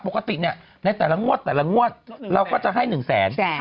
ปกติเนี่ยในแต่ละงวดแต่ละงวดเราก็จะให้๑แสน